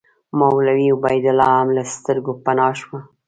مولوي عبیدالله هم له سترګو پناه شو.